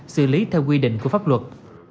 xử lý theo quy định của pháp luật